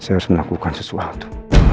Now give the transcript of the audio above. saya harus melakukan sesuatu